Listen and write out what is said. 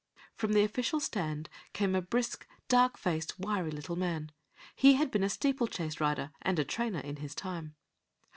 From the official stand came a brisk, dark faced, wiry little man. He had been a steeplechase rider and a trainer in his time.